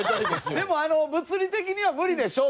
でも「物理的には無理でしょ」